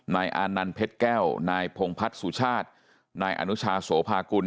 นายอานันเพ็ดแก้วนายพงภัฏสุชาตินายอนุชาโสภาคุณ